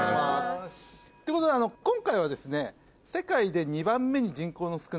ってことで今回はですね。